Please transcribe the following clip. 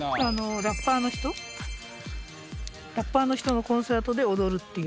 ラッパーの人ラッパーの人のコンサートで踊るっていう。